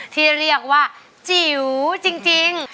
ที่เรียกว่าจิ๋วจริง